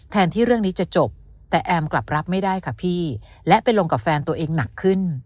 ที่เรื่องนี้จะจบแต่แอมกลับรับไม่ได้ค่ะพี่และไปลงกับแฟนตัวเองหนักขึ้น